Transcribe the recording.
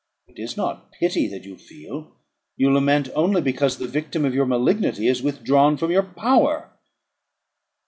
It is not pity that you feel; you lament only because the victim of your malignity is withdrawn from your power."